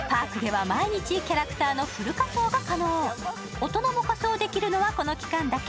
大人も仮装できるのはこの期間だけ。